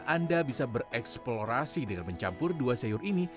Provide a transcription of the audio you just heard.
anda bisa bereksplorasi dengan mencampur dua sayur ini